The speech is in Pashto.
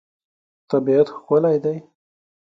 طبیعت ښکلی دی.